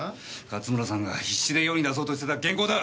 勝村さんが必死で世に出そうとしてた原稿だ。